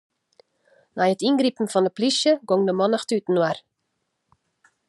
Nei it yngripen fan 'e plysje gong de mannichte útinoar.